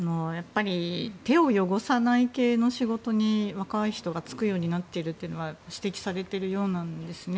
手を汚さない系の仕事に若い人が就くようになっているというのは指摘されているようなんですね。